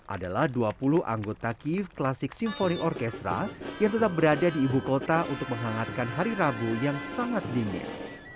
adalah dua puluh anggota kiev klasik simfoning orkestra yang tetap berada di ibu kota untuk menghangatkan hari rabu yang sangat dingin